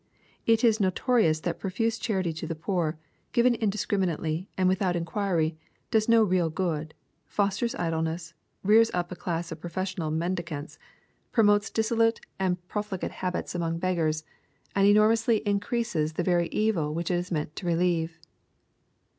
It is notorious that profuse charity to the poor, given indiscriminately, and without inquiry, does no real good, fosters idleness, rears up A c^ass of professional mendicants, promotes dissolute and profll i&S EXPOSITORY THOUGHTS. gate habits among beggars, and enormously increase? the very evil which it is meant to relieve.